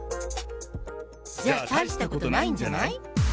じゃあ大したことないんじゃない？